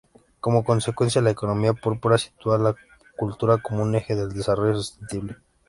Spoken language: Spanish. Como consecuencia, la economía púrpura sitúa la cultura como un eje del desarrollo sostenible.